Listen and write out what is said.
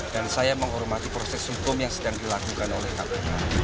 dan saya menghormati proses hukum yang sedang dilakukan oleh kpu